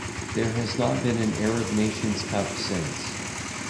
There has not been an Arab Nations Cup since.